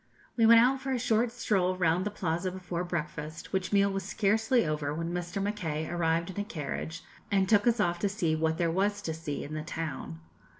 We went out for a short stroll round the Plaza before breakfast, which meal was scarcely over when Mr. Mackay arrived in a carriage, and took us off to see what there was to see in the town.